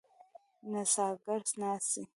نڅاګر ناڅي.